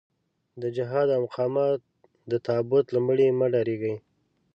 د جهاد او مقاومت د تابوت له مړي مه ډارېږئ.